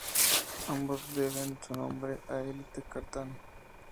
Ambos deben su nombre a Élie Cartan.